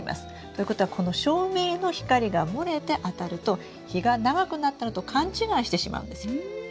ということはこの照明の光が漏れてあたると日が長くなったのと勘違いしてしまうんですよ。